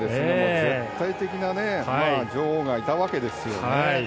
絶対的な女王がいたわけですよね。